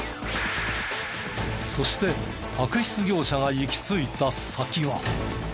そして悪質業者が行き着いた先は。